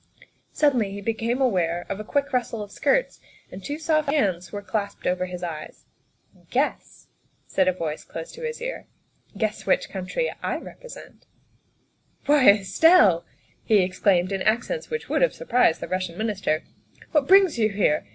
Suddenly he became aware of a quick rustle of skirts, and two soft hands were clasped over his eyes. " Guess," said a voice close to his ear, " guess which country I represent." '' Why, Estelle, '' he exclaimed in accents which would have surprised the Russian Minister, " what brings you here?